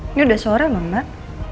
ini udah sore loh mbak